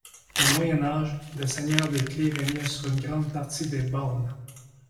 Au Moyen Âge, le seigneur des Clefs régnait sur une grande partie des Bornes.